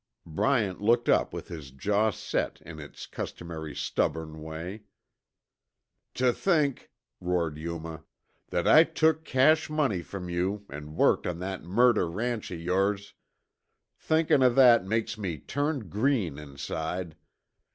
Bryant looked up with his jaw set in its customary stubborn way. "Tuh think," roared Yuma, "that I took cash money from you an' worked on that murder ranch o' yores. Thinkin' o' that makes me turn green inside.